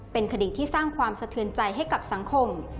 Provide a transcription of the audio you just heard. เป็นคดิ่งที่สร้างความเสียฉันใจให้กับสังคม